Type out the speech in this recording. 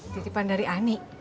titipan dari ani